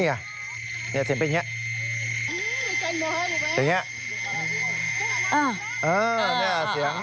นี่ค่ะเสียงเป็นอย่างนี้เป็นอย่างนี้